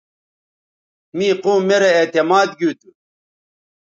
می قوم میرے اعتماد گیوتھو